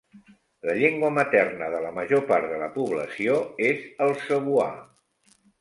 La llengua materna de la major part de la població és el cebuà.